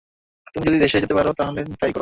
তুমি যদি সে দেশে যেতে পার তাহলে তাই কর।